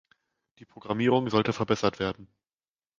Die Programmierung sollte verbessert werden.